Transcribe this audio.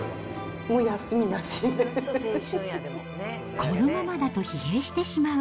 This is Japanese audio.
このままだと疲弊してしまう。